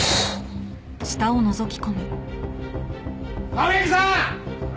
青柳さん！！